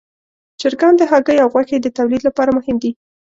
چرګان د هګیو او غوښې د تولید لپاره مهم دي.